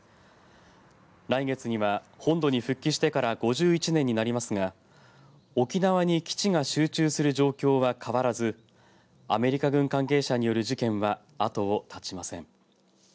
来月には本土に復帰してから５１年になりますが沖縄に基地が集中する状況は変わらずアメリカ軍関係者による事件は後を絶ちません。